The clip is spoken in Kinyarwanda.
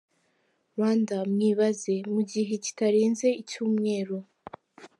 Rwanda Mwibaze: mu gihe kitarenze icyumweru,